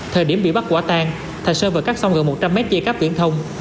thời điểm bị bắt quả tan thạch sơn vừa cắt xong gần một trăm linh mét dây cáp viễn thông